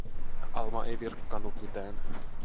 Alma ei virkkanut mitään.